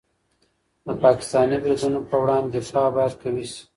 د پاکستاني بریدونو په وړاندې دفاع باید قوي شي.